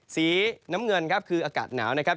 สีน้ำเงินครับคืออากาศหนาวนะครับ